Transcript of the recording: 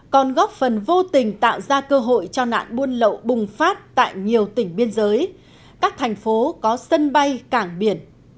còn góp phần vô tình tạo ra cơ hội cho nạn buôn lậu bùng phát tại nhiều tỉnh biên giới các thành phố có sân bay cảng biển